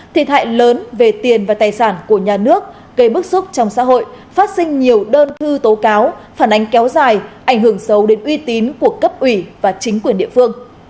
thiệt hại lớn về tiền và tài sản của nhà nước gây bức xúc trong xã hội phát sinh nhiều đơn thư tố cáo phản ánh kéo dài ảnh hưởng sâu đến uy tín của cấp ủy và chính quyền địa phương